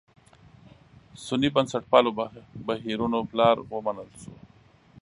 سني بنسټپالو بهیرونو پلار ومنل شو.